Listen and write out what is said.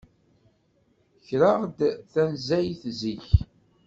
Kkreɣ-d tanzayt zik.